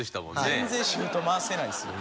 全然シフト回せないですよ。